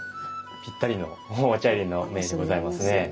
ぴったりのお茶入の銘でございますね。